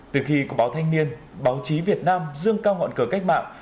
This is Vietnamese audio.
từ khi có báo thanh niên báo chí việt nam dương cao ngọn cờ cách mạng